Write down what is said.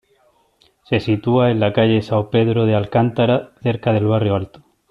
Se sitúa en la Calle de São Pedro de Alcântara, cerca del Barrio Alto.